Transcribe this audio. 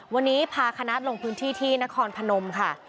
วันนี้พาคณะลงพื้นที่ที่นครพนมค่ะ